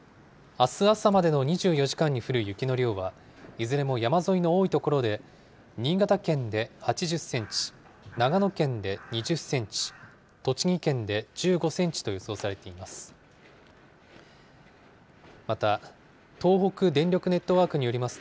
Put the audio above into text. あす朝までの２４時間に降る雪の量は、いずれも山沿いの多い所で、新潟県で８０センチ、長野県で２０センチ、栃木県で１５センチと予想されています。